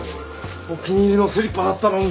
お気に入りのスリッパだったのに。